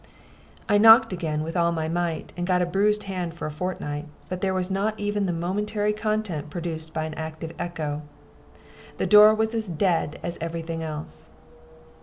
I knocked again with all my might, and got a bruised hand for a fortnight, but there was not even the momentary content produced by an active echo. The door was as dead as every thing else.